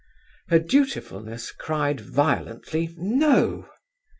Her dutifulness cried violently no.